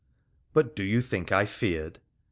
But do you think I feared ?